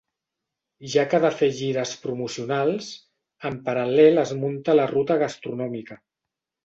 Ja que ha de fer gires promocionals, en paral·lel es munta la ruta gastronòmica.